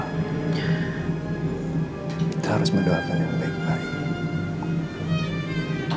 kita harus mendoakan yang baik baik